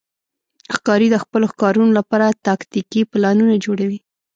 ښکاري د خپلو ښکارونو لپاره تاکتیکي پلانونه جوړوي.